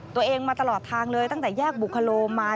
มาตลอดทางเลยตั้งแต่แยกบุคโลมา